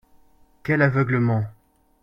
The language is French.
Quel aveuglement